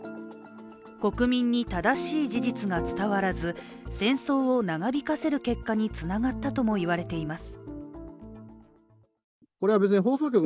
国民に正しい事実が伝わらず戦争を長引かせる結果につながったとも言われています。